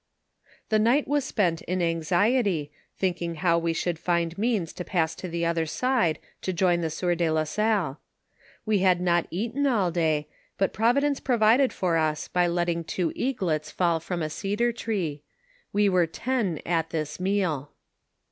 The night was spent in anxiety, thinking how we should find means to pass to the other side to join the sieur de la Salle. We had not eaten all day, but Providence provided for us by letting two eaglets fall from a cedar tree ; we were ten at this meal.